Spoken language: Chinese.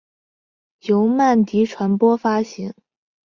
由曼迪传播发行。